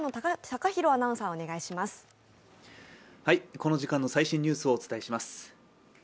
この時間の最新ニュースをお伝えします。